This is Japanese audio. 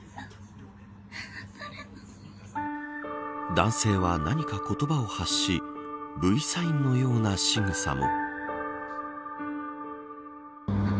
男性は、何か言葉を発しＶサインのようなしぐさも。